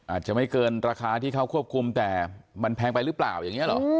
อาจจะไม่เกินราคาที่เขาควบคุมแต่มันแพงไปหรือเปล่าอย่างนี้เหรอ